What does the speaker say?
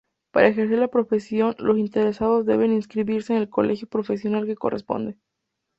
Para ejercer la profesión los interesados deben inscribirse en el colegio profesional que corresponde.